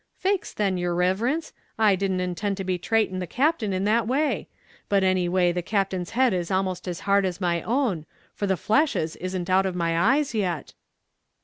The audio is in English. "Faix then, yer riverence, I didn't intend to be trating the Captain in that way; but any way the Captain's head is 'amost as hard as my own, for the flashes isn't out of my eyes yet."